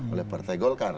oleh partai golkar